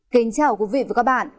kính chào quý vị và các bạn